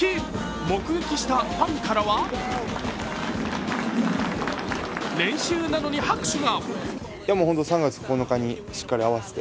目撃したファンからは練習なのに拍手が。